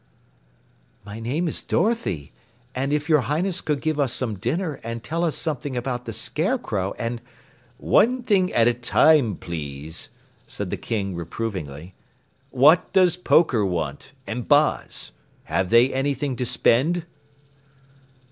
"My name is Dorothy, and if your Highness could give us some dinner and tell us something about the Scarecrow and " "One thing at a time, please," said the King reprovingly. "What does Poker want, and Boz? Have they anything to spend?"